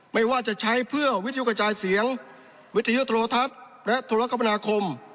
ไม่ว่าจะใช้เพื่อวิทยุกระจายเสียงวิทยุโทรทัศน์และธุรกรรมนาคม